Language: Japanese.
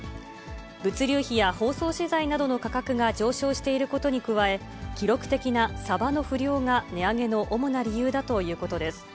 物流費や包装資材などの価格が上昇していることに加え、記録的なサバの不漁が値上げの主な理由だということです。